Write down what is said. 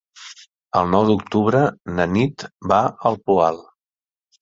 El nou d'octubre na Nit va al Poal.